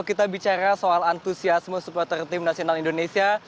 biar bicara soal antusiasme di tim nasional indonesia